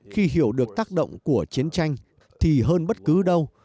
khi hiểu được tác động của chiến tranh thì hơn bất cứ đâu